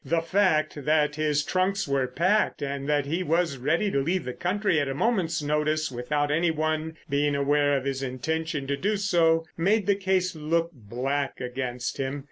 The fact that his trunks were packed and that he was ready to leave the country at a moment's notice without anyone being aware of his intention to do so made the case look black against him.